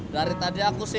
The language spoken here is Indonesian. dari tadi aku sibuk